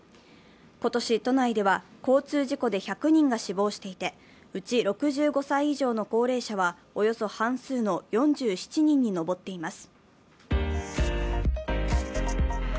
今年、都内では交通事故で１００人が死亡していて、うち６５歳以上の高齢者はおよそ半数の４７人に上っています。